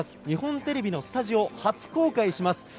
日本テレビのスタジオ初公開します。